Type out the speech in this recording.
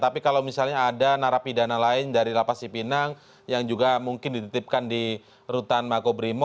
tapi kalau misalnya ada narapidana lain dari lapas cipinang yang juga mungkin dititipkan di rutan makobrimo